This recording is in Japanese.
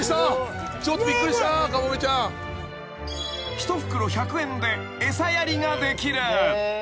［１袋１００円で餌やりができる］